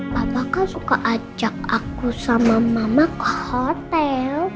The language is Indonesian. bapak kan suka ajak aku sama mama ke hotel